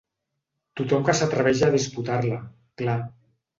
Tothom que s’atreveix a disputar-la, clar.